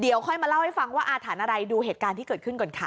เดี๋ยวค่อยมาเล่าให้ฟังว่าอาถรรพ์อะไรดูเหตุการณ์ที่เกิดขึ้นก่อนค่ะ